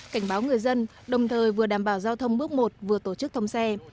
cảnh báo người dân đồng thời vừa đảm bảo giao thông bước một vừa tổ chức thông xe